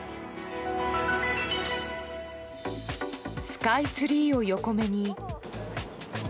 スカイツリーを横目に。